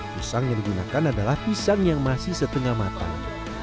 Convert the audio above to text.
pisang yang digunakan adalah pisang yang masih setengah matang